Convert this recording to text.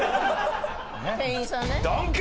店員さんね。